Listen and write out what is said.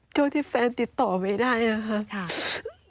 โชคที่แฟนติดต่อไว้ได้นะครับ